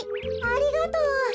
ありがとう。